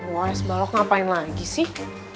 wah s balog ngapain lagi sih